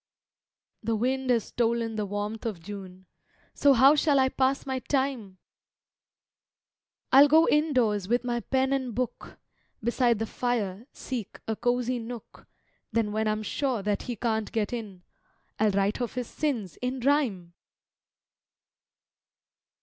The wind has stolen the warmth of June, So how shall I pass my time? I'll go indoors with my pen and book, Beside the fire seek a cosy nook, Then when I'm sure that he can't get in, I'll write of his sins in rhyme!